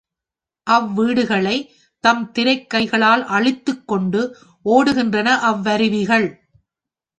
அவ் வீடுகளைத் தம் திரைக் கைகளால் அழித்துக்கொண்டு ஓடுகின்றன அவ் வருவிகள்.